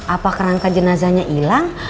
apa kerangka jenazahnya hilang